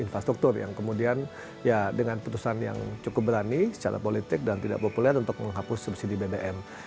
infrastruktur yang kemudian ya dengan putusan yang cukup berani secara politik dan tidak populer untuk menghapus subsidi bbm